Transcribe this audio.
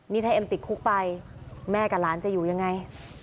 นี่ถ้าเอ็มติดคุกไปแม่กับหลานจะอยู่ยังไง